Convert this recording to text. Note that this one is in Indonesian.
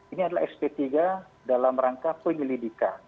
ini adalah sp tiga dalam rangka penyelidikan